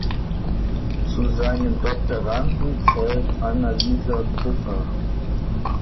Zu seinen Doktoranden zählt Annalisa Buffa.